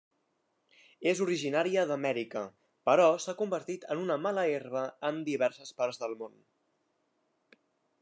És originària d'Amèrica, però s'ha convertit en una mala herba en diverses parts del món.